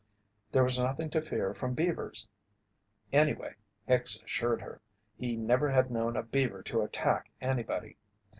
There was nothing to fear from beavers; anyway, Hicks assured her, he never had known a beaver to attack anybody.